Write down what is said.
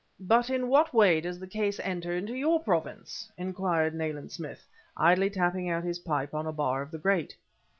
"But in what way does the case enter into your province?" inquired Nayland Smith, idly tapping out his pipe on a bar of the grate.